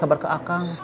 apa udah neng